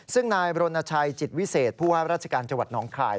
ซึ่งนายบรณชัยจิตวิเศษผู้ห้ารัชการจน้องคลาย